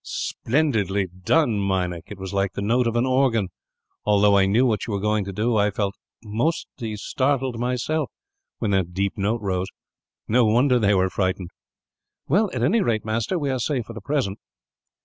"Splendidly done, Meinik! It was like the note of an organ. Although I knew what you were going to do, I felt almost startled, myself, when that deep note rose. No wonder they were frightened." "Well, at any rate, master, we are safe for the present."